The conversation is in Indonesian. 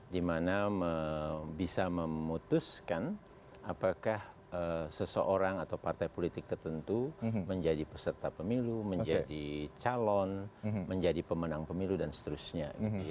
dimana bisa memutuskan apakah seseorang atau partai politik tertentu menjadi peserta pemilu menjadi calon menjadi pemenang pemilu dan seterusnya